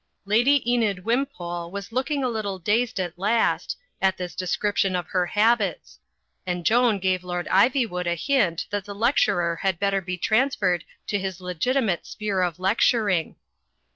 Lady Enid Wimpole was looking a little dazed at last, at this description of her habits, and Joan gave Lord Ivywood a hint that the lecturer had better be transferred to his legitimate sphere of lecturing.